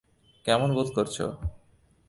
কেমন বোধ করছো?